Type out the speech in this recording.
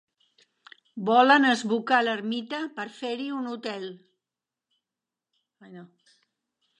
Volen esbucar l'ermita per fer-hi un hotel.